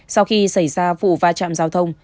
sau khi xảy ra vụ va chạm giao thông